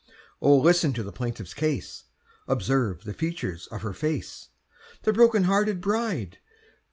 Oh, listen to the plaintiff's case: Observe the features of her face— The broken hearted bride!